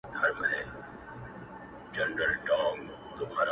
• چي بدل سي په ټولنه کي کسبونه ,